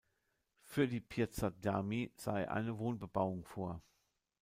Für die Piazza d’Armi sah er eine Wohnbebauung vor.